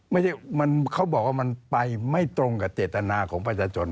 เขาบอกว่ามันไปไม่ตรงกับเจตนาของประชาชน